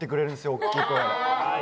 大きい声で。